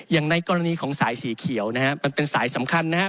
อย่างในกรณีของสายสีเขียวนะฮะมันเป็นสายสำคัญนะครับ